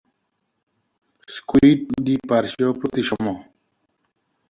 Squid দ্বিপার্শ্বীয় প্রতিসম।